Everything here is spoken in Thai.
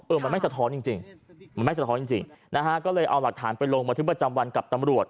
มันไม่สะท้อนจริงมันไม่สะท้อนจริงนะฮะก็เลยเอาหลักฐานไปลงบันทึกประจำวันกับตำรวจ